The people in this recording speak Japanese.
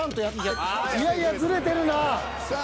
いやいやズレてるなぁ。